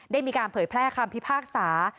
มีการเผยแพร่คำพิพากษา